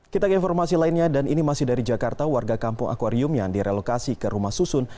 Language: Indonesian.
kita ke informasi lainnya dan ini masih dari jakarta warga kampung akwarium yang direlokasi ke rumah susun